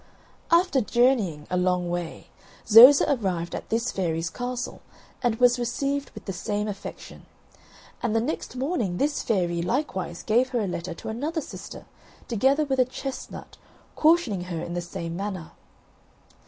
After journeying a long way, Zoza arrived at this fairy's castle, and was received with the same affection. And the next morning this fairy likewise gave her a letter to another sister, together with a chestnut, cautioning her in the same manner.